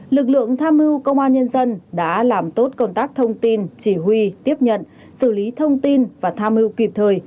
lực lượng tham mưu công an nhân dân đã làm tốt công tác thông tin chỉ huy tiếp nhận xử lý thông tin và tham mưu kịp thời